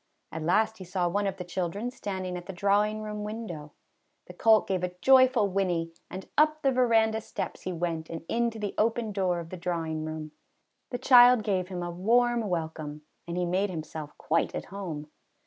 At last he saw one of the children standing at the drawing room window. The colt gave a joy ful whinny, and up the veranda steps he went and into the open door of the drawing room. The child gave him a warm welcome and he made himself quite at home.